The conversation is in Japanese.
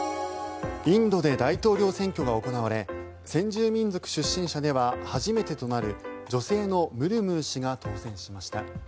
インドで大統領選挙が行われ先住民族出身者で初めてとなる女性のムルムー氏が当選しました。